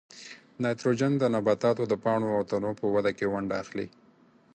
نایتروجن د نباتاتو د پاڼو او تنو په وده کې ونډه اخلي.